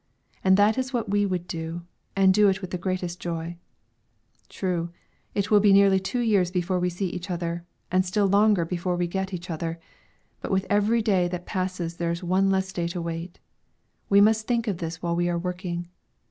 And that is what we would do, and do it with the greatest joy. True, it will be nearly two years before we see each other, and still longer before we get each other; but with every day that passes there is one day less to wait; we must think of this while we are working.